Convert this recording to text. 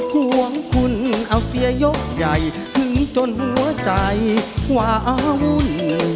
ห่วงคุณเอาเสียยกใหญ่ถึงจนหัวใจวาอาวุ่น